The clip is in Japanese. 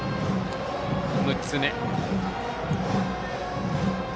６つ目。